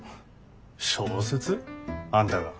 小説？あんたが？